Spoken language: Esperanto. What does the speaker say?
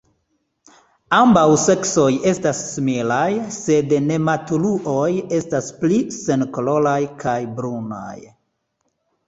Ambaŭ seksoj estas similaj, sed nematuruloj estas pli senkoloraj kaj brunaj.